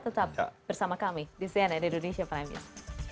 tetap bersama kami di cnn indonesia prime news